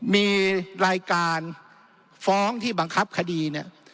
มีรายการฟ้องที่บังคับคดี